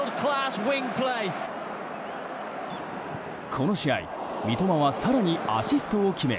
この試合、三笘は更にアシストを決め